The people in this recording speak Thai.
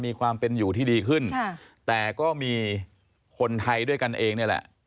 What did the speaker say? มีความเป็นอยู่ที่ดีขึ้นค่ะแต่ก็มีคนไทยด้วยกันเองนี่แหละ